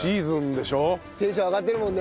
テンション上がってるもんね。